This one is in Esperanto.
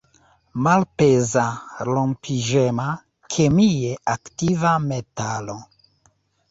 Malpeza, rompiĝema, kemie aktiva metalo.